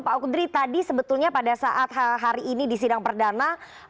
pak kudri tadi sebetulnya pada saat hari ini disidang perdana